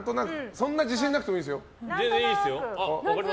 そんな自信なくてもいいですよ。